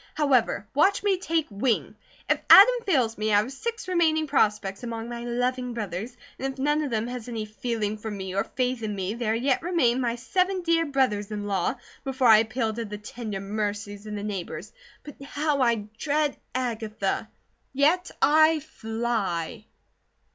However, watch me take wing! If Adam fails me I have six remaining prospects among my loving brothers, and if none of them has any feeling for me or faith in me there yet remain my seven dear brothers in law, before I appeal to the tender mercies of the neighbours; but how I dread Agatha! Yet I fly!"